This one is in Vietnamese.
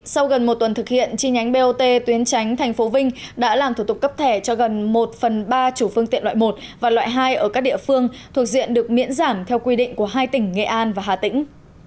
sau gần một tuần thực hiện chi nhánh bot tuyến tránh thành phố vinh đã làm thủ tục cấp thẻ cho gần một phần ba chủ phương tiện loại một và loại hai ở các địa phương thuộc diện được miễn giảm theo quy định của hai tỉnh nghệ an và hà tĩnh